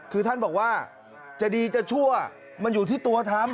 คือท่านบอกว่าจะดีจะชั่วมันอยู่ที่ตัวทำ